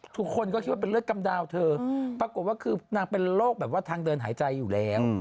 ทุกคนก็คิดว่าเป็นเลือดกำดาวเธอปรากฏว่าคือนางเป็นโรคแบบว่าทางเดินหายใจอยู่แล้ว